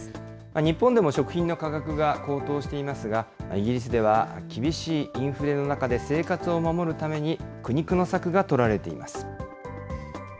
日本でも食品の価格が高騰していますが、イギリスでは厳しいインフレの中で生活を守るために苦肉の策が取られています。